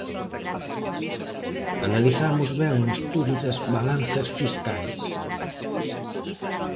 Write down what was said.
Analizamos ben o estudo das balanzas fiscais?